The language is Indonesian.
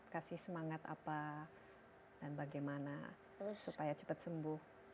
kasih semangat apa dan bagaimana supaya cepat sembuh